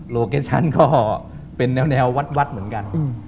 โลเคชันก็เป็นแนววัดเหมือนกัน